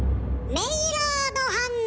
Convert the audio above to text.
メイラード反応。